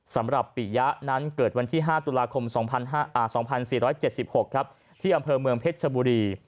สำหรับปิยะนั้นเกิดวันที่๕ตุลาคม๒๔๗๖ที่อำเภอเมืองเพชรชบุรี